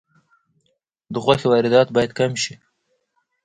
د غوښې واردات باید کم شي